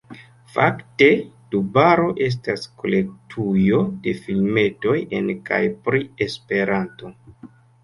Fakte Tubaro estas kolektujo de filmetoj en kaj pri Esperanto.